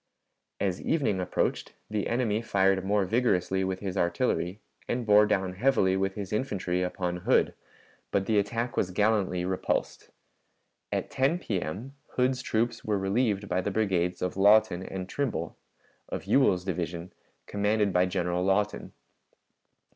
As evening approached, the enemy fired more vigorously with his artillery and bore down heavily with his infantry upon Hood, but the attack was gallantly repulsed. At 10 P.M. Hood's troops were relieved by the brigades of Lawton and Trimble, of Ewell's division, commanded by General Lawton.